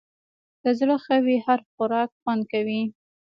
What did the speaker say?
که زړه ښه وي، هر خوراک خوند کوي.